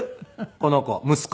「この子息子。